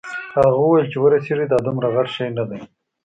هغه وویل چې ورسیږې دا دومره غټ شی نه دی.